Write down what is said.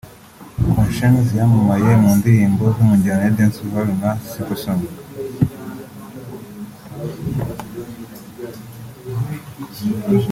Konshens yamamaye mu ndirimbo zo mu njyana ya Dancehall nka ’Simple Song’